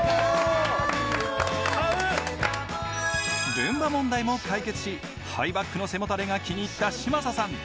ルンバ問題も解決しハイバックの背もたれが気に入った嶋佐さん